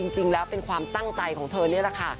จริงแล้วเป็นความตั้งใจของเธอนี่แหละค่ะ